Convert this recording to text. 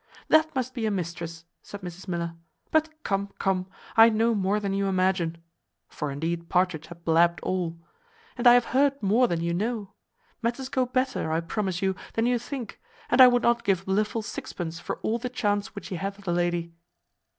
"That must be a mistress," said Mrs Miller; "but come, come; I know more than you imagine" (for indeed Partridge had blabbed all); "and I have heard more than you know. Matters go better, I promise you, than you think; and I would not give Blifil sixpence for all the chance which he hath of the lady."